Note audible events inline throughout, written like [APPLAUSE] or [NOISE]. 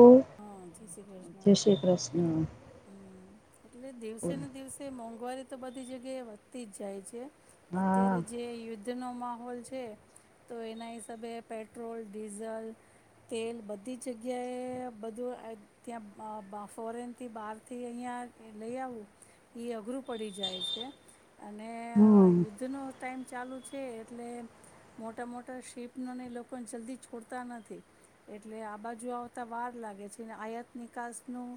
ઓ હા જય શ્રી કૃષ્ણ જય શ્રી કૃષ્ણ હમ. એટલે દિવસે ને દિવસે મોઘ ઘરે તો બધી જગ્યાએ વધતી જ જાય છે. હા અત્યારે જે યુદ્ધ નો માહોલ છે તો એના ઈસાબે પેટ્રોલ ડીઝલ તેલ બધી જગ્યાએ બધું ત્યાં ફોરેનથી બહારથી અહીંયા લઈ આવું એ અઘરું પડી જાય છે. અને હમ યુદ્ધનો ટાઈમ. ચાલુ છે એટલે મોટા મોટા શિપ નો એલોકો જલ્દી છોડતા નથી એટલે આ બાજુ આવતા વાર લાગે છે ને અયાત નિકાસનું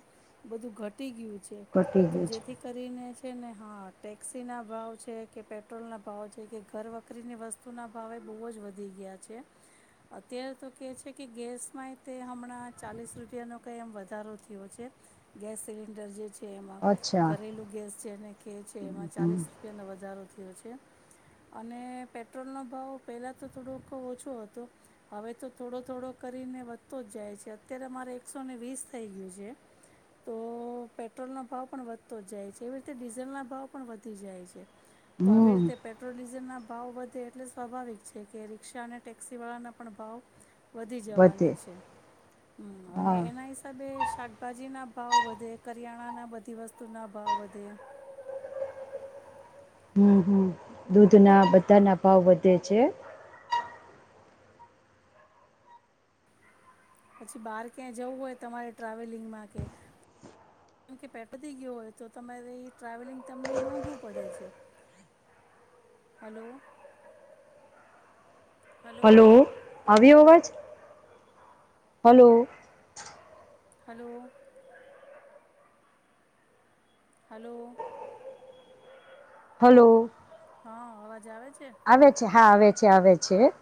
બધું ઘટી ગયું છે. કટી તો ગયું છે જેથી કરીને છે ને હા ટેક્સીના ભાવ છે કે પેટ્રોલના ભાવ છે કે ઘર વકરીની વસ્તુના ભાવ એ બહુ જ વધી ગયા છે, અત્યારે તો કહે છે, કે ગેસમાંય તે હમણાં ચાલીસ રૂપિયાનો કંઈ એમ વધારો થયો છે ગેસ સિલિન્ડર જે છે. એમાં અચ્છા ઘરેલું ગેસ છે અને કે છે એમાં હમ ચાલીસ રૂપિયાનો વધારો છે અને પેટ્રોલનો ભાવ પહેલાં તો થોડોખ ઓછો હતો હવે તો થોડો થોડો કરીને વધતો જ જાય છે. અત્યારે મામારે એકસોને વીસ થઈ ગયું છે તો પેટ્રોલનો ભાવ પણ વધતો જ જાય છે એવી રીતે ડીઝલના ભાવ પણ વધી જાય છે. તો આવી હમ રીતે પેટ્રોલ ડીઝલ ના ભાવ વધે એટલે સ્વાભાવિક છે કે રિક્ષા અને ટેક્સીવાળાના પણ ભાવ વધી વધે જવાના છે. અને હા એના હિસાબે શાકભાજી ના ભાવ વધે કરિયાણાના બધી વસ્તુના ભાવ વધે. હમ, હમ. દૂધના બધાના ભાવ વધે છે. પછી બહાર જવું હોય, તમારે ટ્રાવેલિંગમાં કે ગયો હોય, તો તમારી ટ્રાવેલિંગ તમને મોંઘવું પડે છે hello. Hello. Hello. Hello. Hello. Hello. હ, અવાજ આવે છે ને. આવે છે હા આવે છે આવે છે.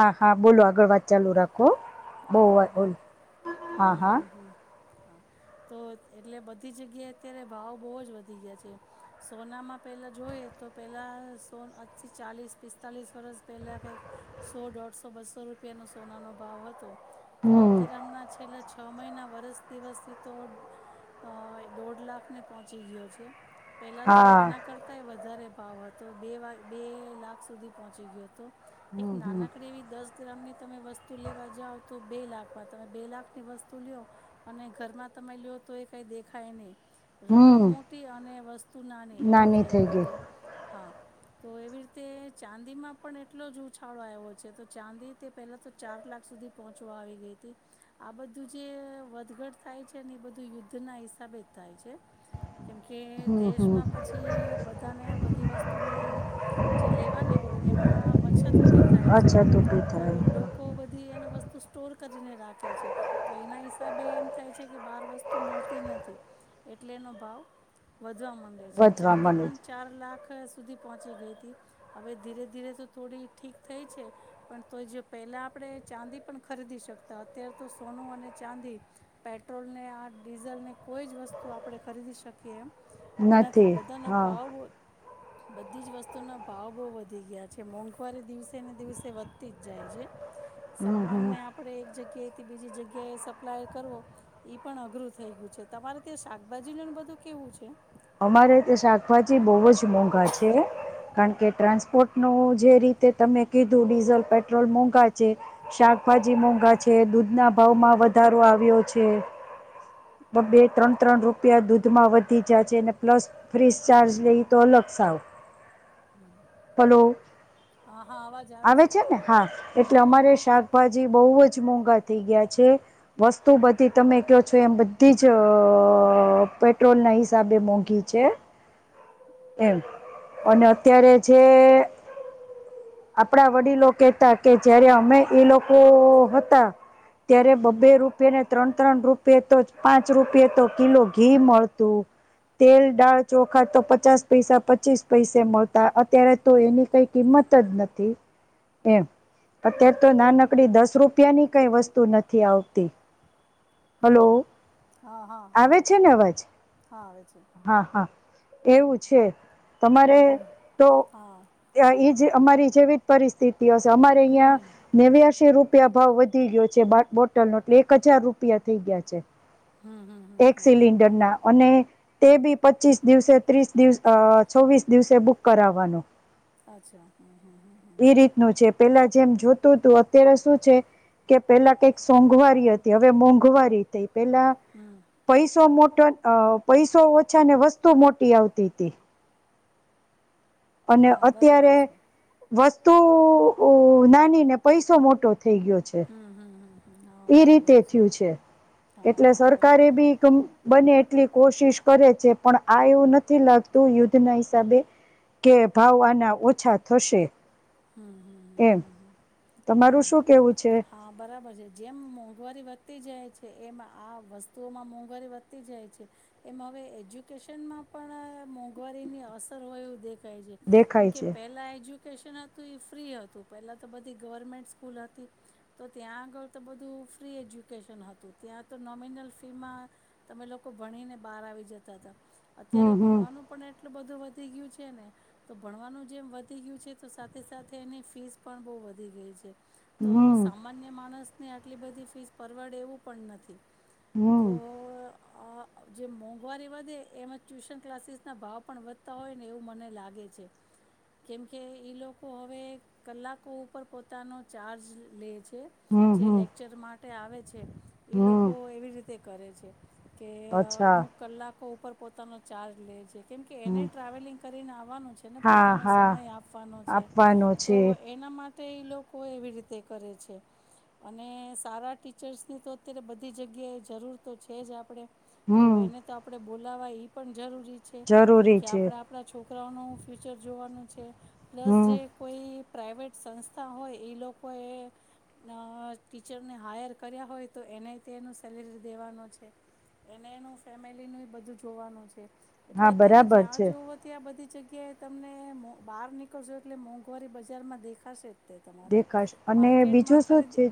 હા હા, બોલો. આગળ વાત ચાલુ રાખો હા હા ઓલ, હા હા હા, તો એટલે બધી જગ્યાએ અત્યારે ભાવ બો જ વધી ગયા છે. સોનામાં પહેલા જોઈએ તો, પહેલા સો આથી ચાલીસ પિસ્તાલીસ વર્ષ પહેલા, કંઈક સો, દોઢસો, બસો રૂપિયાનો સોનાનો ભાવ હતો તો હમ અત્યારે, હમના છેલ્લા છ છ મહિના વરસ દિવસથી તો, અ દોઢ લાખને પહોંચી ગયો છે. પેલા તો હા એના કરતાંયે વધારે ભાવ હતો બે વા બે લાખ સુધી પહોંચી ગયોતો. એક હમ હમ નાનકડી એવી દસ ગ્રામની તમે વસ્તુ લેવા જાવ. તો બે લાખમાં તમે બે લાખની વસ્તુ લયો અને ઘરમાં તમે લયો તો એ કંઈ દેખાય નહીં.. રકમ હમ મોટી અને વસ્તુ નાની એવું થઈ ગયુંતું હા. તો એવી રીતે ચાંદીમાં પણ એટલો જ ઉછાળો આવ્યો છે. તો ચાંદી તે પહેલા તો ચાર લાખ સુધી. પહોંચવા આવી ગઈ તી આ બધું જે વધઘટ થાય છે ને એ બધું યુદ્ધના હિસાબે જ થાય છે. કેમ કે હમ દેશમાં હમ પછી બધ બધાને બધી વસ્તુની જે લેવાની હોય એમા અછ છત ઉભી થાય છે અછત ઊભી તો થાય લોકો બધી એને વસ્ સ્તુ સ્ટોર કરીને રાખે છે તો એના હિસાબે એમ થાય છે કે બાર વસ્તુ મળતી નથી એટલે એનો ભાવ વધ વધવા માંડે છે વધવા ચાંદી મળે પણ છે ચાર લાખ સુધી પહોંચી ગઈ તી હવે ધીરે ધીરે તો થોડી ઠીક થઈ છે. પણ તો જે પહેલાં આપણે ચાંદી પણ ખરીદી શકતા અત્યારે તો સોનું અને ચાંદી પેટ્રોલને આ ડીઝલને કોઈ જ વસ્તુ આપણે ખરીદી શકીએ એમ નથી બધાનો ભાવ બોવ બધી જ વસ્તુના ભાવ બહુ વધી ગયા છે મોંઘવારી દિવસેને દિવસે વધતી જ જાય છે. હમ હમ સામાનને આપણે એક જગ્યા કે થી બીજી જગ્યાએ સપ્લાય કરવો ઈ પણ અઘરું થઈ ગયું છે તમારે ત્યાં શાકભાજીનું ને બધું કેવું છે? અમારે તે શાકભાજી બહુ જ મોંઘા છે. કારણ કે ટ્રાન્સપોર્ટ નું જે રીતે તમે કીધું ડીઝલ પેટ્રોલ મોંઘા છે શાકભાજી મોંઘા છે દૂધ ના ભાવમાં વધારો આવ્યો છે બ બે ત્રણ ત્રણ રૂપિયા દૂધમાં વધી ગયા છે ને પ્લસ ફ્રીસ ચાર્જ લઈ તો અલગ સાવ હલો. હા હા અવાજ આવે છે ને હા હમ એટલે અમારે શાક ભાજી બહુ જ મોંઘા થઇ ગયા છે વસ્તુ બધી તમે કયો છો એમ બધી જ પેટ્રોલના હિસાબે મોંઘ ઘી છે. એમ અને અત્યારે જે આપણા વડીલો કેતા કે જયારે અમે એ લોકો હતા. ત્યારે બ્બે રૂપિયા ને ત્રણ ત્રણ રૂપિયે તો પાંચ રૂપિયે તો કિલો ઘી મળતું તેલ, દાળ, ચોખા તો પચાસ પૈસા પચીસ પૈસે મળતા અત્યારે તો એની કઈ કિંમત જ નથી એમ અત્યારે તો નાનકડી દસ રૂપિયાની કઈ વસ્તુ નથી આવતી. હલો હમ હા હા હા આવે છે ને અવાજ હા આવે. છે હા હા. એવું છે. તમારે તો હા એ ઈ જ અમારી જેવી જ પરિસ્થિતિ તી હશે અમારે ઈયા નેવ્યાસી રૂપ રૂપિયા ભાવ વધી ગયો છે બા બોટલનો એટલે એક હજાર રૂપિયા થઈ ગયા છે. એક સિલિન્ડરના અને તે બી પચીસ દિવસે ત્રીસ દિવસ અ છવ્વીસ દિવસે બુક કરાવાનો. અચ્છા એ રીતનું છે પેલા જેમ જોતું હતું. અત્યારે શું છે કે પેલા કઈક સોંઘવારી હતી હવે મોંઘવારી થઈ. પેલા પૈસો. [UNINTELLIGIBLE] ઓછા ને વસ્તુ મોટી આવતી હતી. અને હા બરાબર અત્યારે છે વસ્ત તો નાની ને પૈસો મોટો. થઈ ગયો છે. હમ હમ હમ હા ઈ રીતે બરાબર થયું છે હા એટલે હા સરકારી એ બરાબર બી બને એટલી કોશિશ કરે છે પણ આ એવું નથી લાગતું યુદ્ધ ના હિસાબે કે ભાવ આના ઓછા થશે હમ હમ એમ હમ તમારું શું કેવું છે? હા બરાબર છે જેમ મોંઘવારી વધતી જાય છે એમ આ વસ્તુઓમાં મોંઘવારી વધતી જાય છે એમ હવે એજ્યુકેશનમાં પણ મોંઘવારીની અસર હોય એવ દેખાય. કહે એમ દેખાય કે છે પહેલા એ જુ. કેશના તો એ ફ્રી હતું પહેલાં તો બધી ગવર્મેન્ટ સ્કૂલ હતી તો ત્યાં આગળ તો બધું ફ્રી એજ્યુકેશન હતું ત્યાં તો નોમિનલ ફીમાં તમે લોકો ભણીને બહાર આવી જતા હતા અત્યારે હમ હમ ભણવાનું પણ એટલું. એટલું બધું વધી ગયું છે ને તો ભણવાનું જેમ વધી ગયું છે તો. સાથે સાથે એની ફીસ પણ બહુ વધી ગઈ છે. તો હમ સામાન્ય માણસ. ને આટલી બધી ફીસ પરવડે એવું પણ નથી. તો હમ આ જે મોંઘવારી વધે એમાં ટ્યુશન ક્લાસીસના ભાવ પણ વધતા હોય ને એવું મને લાગે છે કેમકે એ લોકો. લોકો હવે કલાકો ઉપર પોતાનો ચાર્જ લે છે. હમ છે જે હમ લેક્ચરમાં માટે આવે છે. ઈ લોકો હમ એવી રીતે. તે કરે છે. કે અચ્છા અમુક કલાક. ઉપર પોતાનો ચાર્જ લે છે કેમ કે એને હમ ટ્રાવેલિંગ કરીને આવવાનું છે ને હા પોતાનો હા સમય આપવાનો છે આપવાનો તો છે એના માટે એ લોકો એવી રીતે કરે છે અને સારા ટીચર્સની તો અત્યારે બધી જગ્યાએ જરૂર તો છે જ આપણે તો હમ એને તો આપડે બોલાવા એ પણ જરૂરી છે. કેમ જરૂરી કે છે આપણા, આપણા છોકરા છોકરાઓનું ફ્યુચર જોવાનું છે. પ્લસ હમ જે કોઈ પ્રાઇવેટ સંસ્થા હોય એ લોકોએ ટીચરને હાયર કર્યા હોય તો એને તેનું સેલેરી દેવાનો છે એને એનું ફેમિલીનું બધું જોવાનું છે. એટલે, હા અત્યારે બરાબર જ્યાં છે જોવું ત્યાં બધી કે, તમને બહાર ની જજો એટલે મોંઘવારી બજારમાં દેખાશે. તે તમારે દેખાશે અને બીજું માર્કેટમાં શું છે, ખરીદી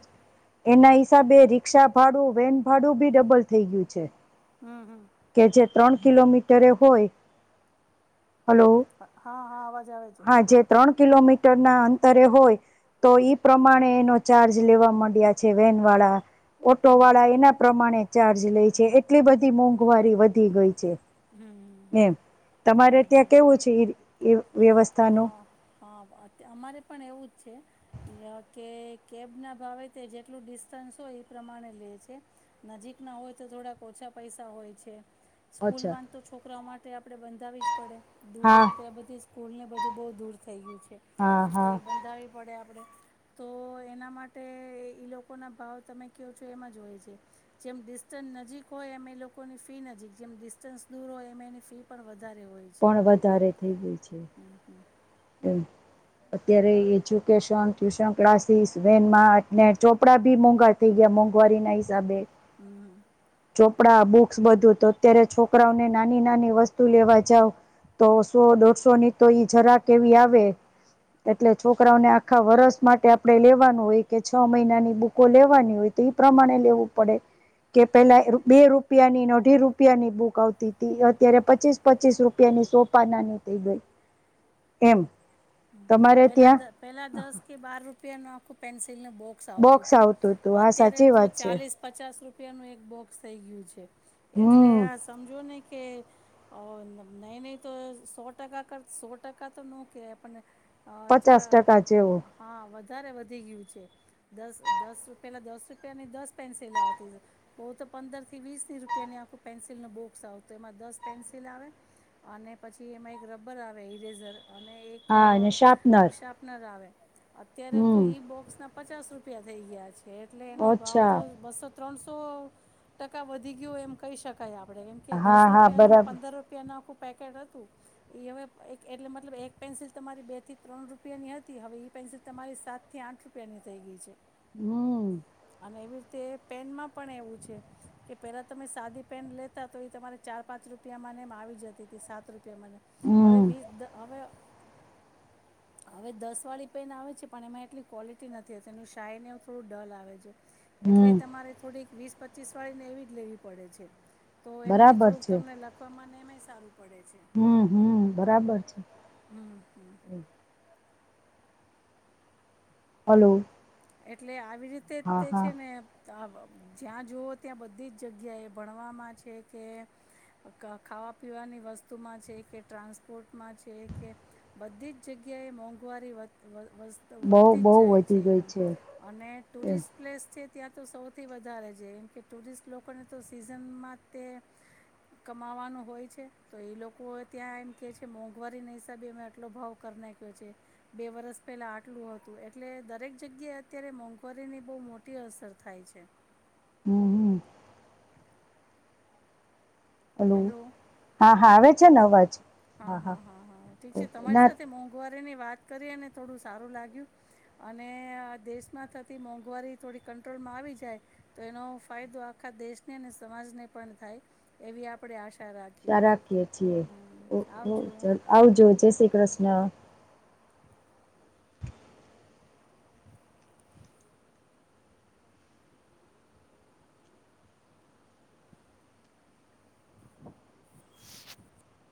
એના હિસાબે રિક્ષા ભાડું, વેન ભાડું બી ડબલ થઈ ગયું છે. હમ હમ કે જે ત્રણ કિલોમીટરે હોય. હલો હા હા, અવાજ આવે છે. હા જે ત્રણ કિલોમીટરના અંતરે હોય તો ઈ પ્રમાણે એનો ચાર્જ લેવા માંડ્યા છે, વેનવાળા. ઓટો હમ વાળા એના પ્રમાણે ચાર્જ લે છે. એટલી બધી મોઘ મોંઘવારી વધી ગઈ છે. હમ હમ હમ એમ, તમારે ત્યાં કેવું છે? એ હા વ્યવસ્થાનો હા હા, અમારે પણ એવું જ છે કે કેબના ભાવે તે જેટલું ડિસ્ટન્સ હોય એ પ્રમાણે લે છે, નજીકના હોય તો થોડાક ઓછા પૈસા હોય છે. સ્કૂલ અચ્છા વાનતો છોકરાઓ માટે આપડે બંધાવી જ પડે દૂર હા [UNINTELLIGIBLE] બધી જ. સ્કૂલને બધું બો દૂર થઈ ગયું. છે હા હા તોઈ બંધાવવી પડે આપણે. તો એના માટે ઈ લોકોના ભાવ તમે કેવ છો એમજ હોય છે જેમ ડિસ્ટન્સ નજીક હોય એમ એ લોકોની ફી નજીક જેમ ડિસ્ટન્સ દૂર હોય એમ એની ફી પણ વધ પણ વધારે થઈ ગય છે. હમ્મ હમ્મ અત્યારે એજ્યુકેશન, ટ્યુશન ક્લાસીસ, વેનમાં અને ચોપડા બી મોંઘા થઈ ગયા મોંઘવારીના હિસાબે. હમ્મ ચોપડા, બુક્સ બધું તો અત્યારે છોકરાઓને નાની નાની વસ્તુ લેવા જાવ તો સો દોઢસોની તોઈ જરાક કેવી આવે એટલે છોકરાઓને આખા વરસ માટે આપણે લેવાનું હોય કે છ મહિનાની બુકો લેવાની હોય તો એ પ્રમાણે લેવું પડે કે પેલા બે રૂપિયાનીને અઢી રૂપિયાની બુક આવતી હતી અત્યારે પચીસ પચીસ રૂપિયાની સો પાનાની થઈ ગઈ. એમ. તમારે ત્યાં પેલા પેલા દસ કે બાર રૂપ રૂપિયાનું આખું પેન્સ બોક્સ આવતું હતું હા અત્યારે સાચી તો વાત છે ચાલીસ પચાસ રૂપ રૂપિયાનું એક બોક્સ થઈ ગયું છે. એટલે હમ સમજો નય. કે નહી નહી તો સો ટકા કર સો ટકા તો ન કે પણ અ પચાસ ચાર ટકા જેવું હા વધ વધારે વધી ગયું છે દસ દસ રૂપિયાલાં દસ રૂપિયાની દસ પેન્સિલ આવતી બહ તો પંદરથી વીસની રૂપિયાની આખું પેન્સિલનું બોક્સ આવ તો એમાં દસ પેન્સિલ આવે અને પછી એમાં એક રબર આવે ઇરેઝર અને એક હા અને શાર્પનર શાર્પનર આવે અત્યારે તો હમ એઈ બોક્સ ના પચાસ રૂપ [UNINTELLIGIBLE] થઈ ગયા આજ કે એટલે એનો ભાવ તો ઓછા બસો ત્રણ સોં તો ટકા વધી ગયું એમ કહી શકાય કઈ આપણે કેમ કે હા દસ હા રૂપિયાનું બરાબર પંદર રૂપિયાનું આખુ પેકેટ હતું ઈ હવે એટલે મતલબ એક પેન્સિલ તમારી બે થી ત્રણ રૂપિયાની હતી હવે એ પેન્સિલ તમારી સાતથી આઠ રૂપિયાની થઈ ગઈ છે. હમ્મ અને એવી રીતે પેનમાં પણ એવું છે કે પહેલાં તમે સાદી પેન લેતા તો એ તમારે ચાર પાંચ રૂપિયામાંને એમ આવી જતી હતી સાત રૂપિયા રૂપિયામાં ને હવે હમ વિસ દ હવે હવે દસ વાળી પેન આવે છે પણ એમાં એટલી ક્વોલિટી નથીતી એનું શાય ને એવું થોડું ડલ આવે છે. એટલે હમ તમારે થોડીક વીસ પ પચીસવાળી ને એવી જ લેવી પડે છે. તો એના થી થોડુંક તમને લખવામાં ને એમાં ઈ સારું. હમ્મ, હમ્મ બરાબર છે. હમ્મ હમ્મ. હલો. એટલે આ વી રીતે હા તે હા છે ને તા આ અબ જ્યાં જુઓ ત્યાં બધી જ જગ્યાએ ભણવામાં છે કે ક ખાવા પીવાની વસ્તુમાં છે કે ટ્રાન્સપોર્ટમાં છે કે બધી જ જગ્યાએ મોંઘવારી વધ વધ વસ્ત બહુ વધતી બહુ જ જાય વધી છે ગઈ હા. અને ટુરિસ્ટ પ્લેસ છે ત્યાં તો સૌથી વધારે છે એમ કે ટુરિસ્ટ લોકોને તો સીઝનમાં તે કમાવાનું હોય છે તો એ લોકો ત્યાં એમ કેહે છે મોંઘવારીના હિસાબે એમે આટલો ભાવ કરી નાખ્યો છે બે વરસ પહેલાં આટલું હતું એટલે દરેક જગ્યાએ અત્યારે મોંઘવારીની બહુ મોટી અસર થાય છે. હમ્મ, હમ્મ. હલો હેલો હા હા આવે છે ને અવાજ. હા હા હા હા ઠીક છે તમારી ના સાથે મોંઘવાર રેની વાત કરીને થોડું સારું લાગ્યું અને આ દેશમાં થતી મોંઘવારી થોડી કંટ્રોલમાં આવી જાય તો એનો ફાયદો આખા દેશને અને સમાજને પણ થાય એવી આપડે આશા શા રાખીએ છીએ. ઓ હમ હો આવજો ચલ આવજો, જય શ્રી કૃષ્ણ. [INAUDIBLE]